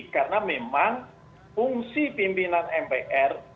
karena memang fungsi pimpinan mpr